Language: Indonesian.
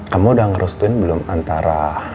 kamu udah ngerustuin belum antara